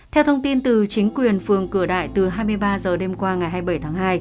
theo thông tin từ chính quyền phường cửa đại từ hai mươi ba h đêm qua ngày hai mươi bảy tháng hai